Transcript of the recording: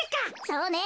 そうね！